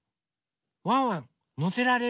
ワンワンのせられる？